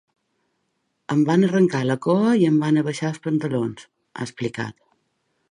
Em van arrencar la cua i em van abaixar els pantalons, ha explicat.